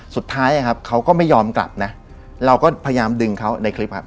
สุดท้ายครับเขาก็ไม่ยอมกลับนะเราก็พยายามดึงเขาในคลิปครับ